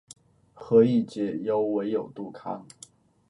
何以解忧，唯有杜康